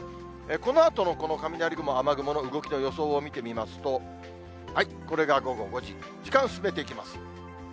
このあとのこの雷雲、雨雲の動きの予想を見てみますと、これが午後５時、時間進めていきます。